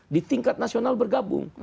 di tingkat nasional bergabung